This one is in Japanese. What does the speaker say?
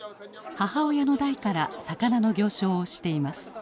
母親の代から魚の行商をしています。